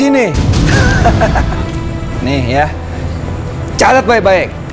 ini ya calet baik baik